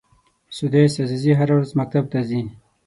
سُدیس عزیزي هره ورځ مکتب ته ځي.